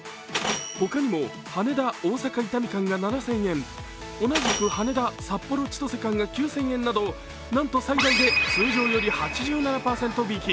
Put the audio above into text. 他にも、羽田−大阪伊丹間が７０００円同じく羽田、札幌−千歳間が９０００円などなんと最大で通常より８７％引き。